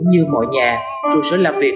cũng như mọi nhà trụ sở làm việc